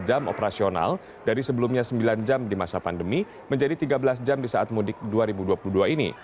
jam operasional dari sebelumnya sembilan jam di masa pandemi menjadi tiga belas jam di saat mudik dua ribu dua puluh dua ini